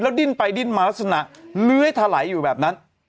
แล้วดิ้นไปดิ้นมาสนะเละไทฬลัยอยู่แบบนั้น